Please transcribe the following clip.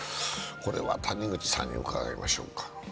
これは谷口さんに伺いましょうか。